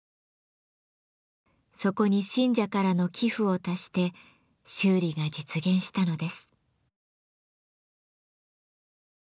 そこに信者からの寄付を足して修理が実現したのです。